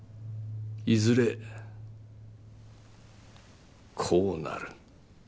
いずれこうなる。